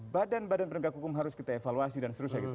badan badan penegak hukum harus kita evaluasi dan seterusnya gitu